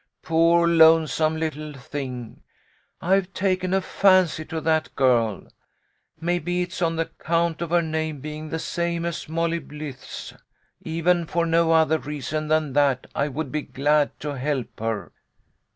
Poor, lonesome little thing ! I've taken a fancy to that girl. Maybe it is on account of her name being the same as Molly Blythe's. Even for no other reason than that I would be glad to help her."